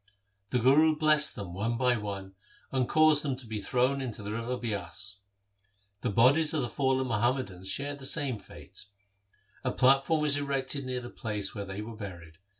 The Guru blessed them one by one, and caused them to be thrown into the river Bias. The bodies of the fallen Muhammadans shared the same fate. A platform was erected near the place where they were buried.